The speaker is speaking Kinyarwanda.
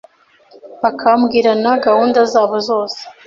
bakabwirana gahunda zabo zose